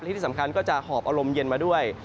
ที่สำคัญก็จะหอบอารมณ์เย็นมาด้วย